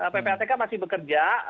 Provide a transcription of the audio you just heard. ppatk masih bekerja